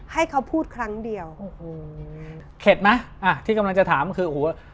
ให้เขาพูดครั้งเดียวโอ้โหเข็ดไหมอ่ะที่กำลังจะถามคือโอ้โห